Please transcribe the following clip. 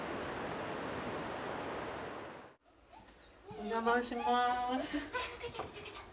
お邪魔します。